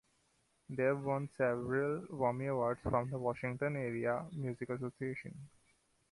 They've won several "Wammie" awards from the Washington Area Music Association.